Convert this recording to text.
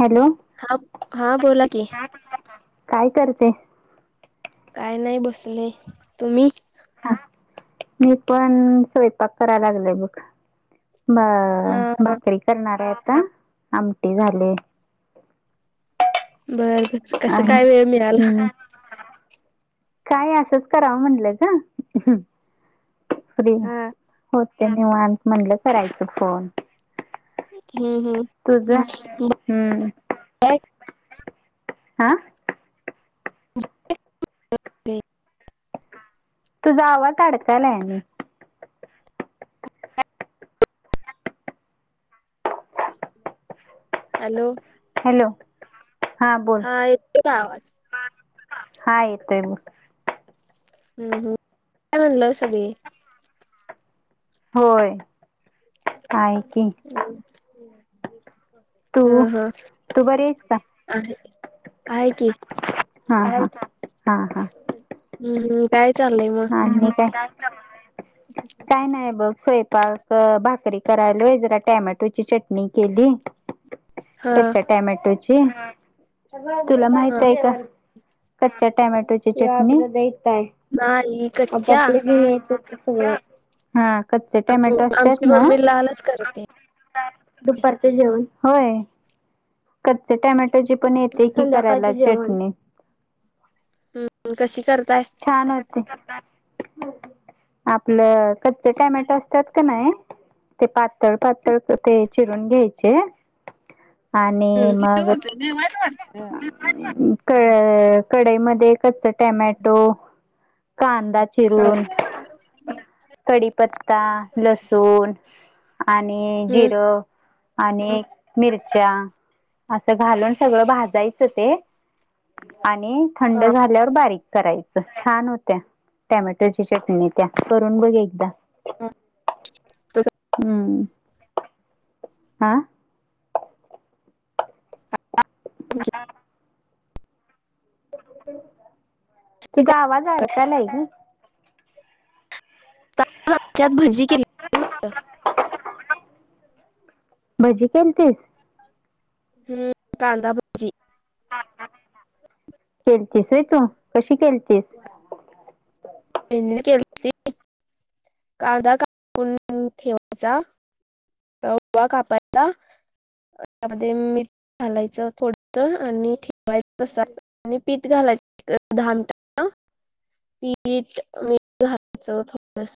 Hello? हा, हा बोला की. [unintelligible] काय करते? काय नाही बसले तुम्ही? [unintelligible] मी पण स्वयंपाक कराय लागलोय बघ. ब हा भाकरी करणार आहे आता, आमटी झाले. बर, कसं आणि काय वेळ मिळाला? हम्म. काय असंच कराव म्हटलं ग. हम्म असुदे घ्या. हा हो ते निवान्त म्हणलं करायचं कॉल. हम् हम् तुझ हम्म [inaudible] हा तुझा आवाज अडकालाय आणि हॅलो! हॅलो! हा बोल. येतो का आवाज हा येतोय [unintelligible] बोल. हम्म हम्म काय म्हणल सगळी? होय. [inaudible] आहे की हम्म तू हम्म. तू बरी आहेस का आहे आहे की. हा -हा -हा -हा. हम्म हम् काय चाललंय मग? आणि काय? [unintelligible] काय नाही बघ स्वयंपाक- - च भाकरी करायलोय जरा टॅमॅटोची चटणी केली हा कच्च्या टॅमॅटोची. तुला हा माहित आहे का? कच्च्या टमॅटोची चटणी [unintelligible] नाही. आत्ता कच्च्या आपलं घे तेच सगळं. हा. कच्चे टोमॅटो असतेत आमची ना? मम्मी लालच करते [unintelligible] दुपारचे जेवण होय. कच्चे टमॅटोची पण येते की करायला चटणी हम् हम्म कशी करताय? छान होते. आपलं कच्चे टॅमेटो असतेत का नाही ते पातळ पातळ ते चिरून घ्यायचे आणि मग हम्म क कढईमध्ये कच्च टमॅटो कांदा चिरून कडीपत्ता, लसूण आणि जिर आणि मिरच्या असं घालून सगळं भाजायचं ते आणि थंड हा झाल्यावर बारीक करायचं. छान होत्या टॅमॅटोची चटणी त्या करून बघ एकदा. [inaudible] हम्म. आ? [inaudible] तूजा आवाज अडकायलाय ग. च्यात भजी केली. [inaudible] भजी केलतीस? हम्, कांदा भ - - कांदा [unintelligible] केलतीस होय तू? कशी केलतीस? [unintelligible] केलती. कांदा कापून ठेवायचा. वा कापायचा. त्यामध्ये मीठ घालायचं थोडस, आणि ठेवायचं तस. आणि पीठ घालायच दहा मिनटान. पीठ, मीठ घालायचं थोडस.